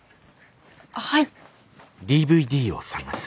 はい。